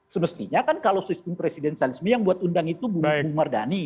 semestinya kan kalau sistem presidensialisme yang buat undang itu bu mardhani